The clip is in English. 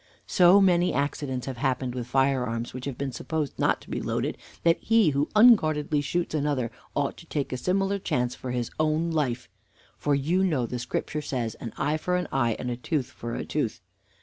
So many accidents have happened with firearms which have been supposed not to be loaded, that he who unguardedly shoots another ought to take a similar chance for his own life; for you know the Scripture says: 'An eye for an eye, and a tooth for a tooth.'